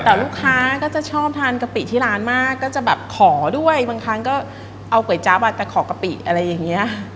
แต่ลูกค้าก็จะชอบทานกะปิที่ร้านมากก็จะแบบขอด้วยบางครั้งก็เอาก๋วยจั๊บตะขอกะปิอะไรอย่างนี้